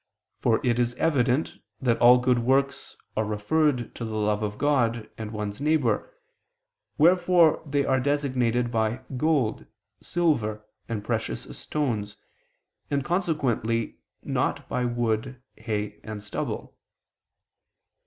For it is evident that all good works are referred to the love of God, and one's neighbor, wherefore they are designated by "gold," "silver," and "precious stones," and consequently not by "wood," "hay," and "stubble."